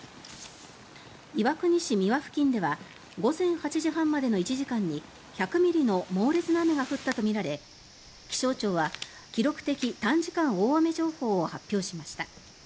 岩国市美和付近では午前８時半までの１時間に１００ミリの猛烈な雨が降ったとみられ気象庁は記録的短時間大雨情報を発表しました。